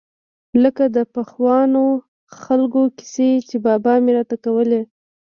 لکه د پخوانو خلقو کيسې چې بابا مې راته کولې.